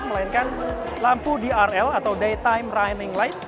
melainkan lampu drl atau day time rining light